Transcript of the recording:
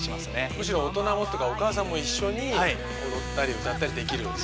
むしろ大人もというかお母さんも一緒に踊ったり歌ったりできる。